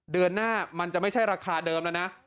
เดือนหน้ามันจะไม่ใช่ราคาเดิมแล้วนะ